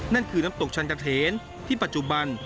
นั่นคือน้ำตกชันตะเถนที่ปัจจุบัน